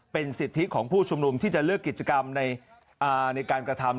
เป็นสิทธิของผู้ชุมนุมที่จะเลือกกิจกรรมในการกระทำ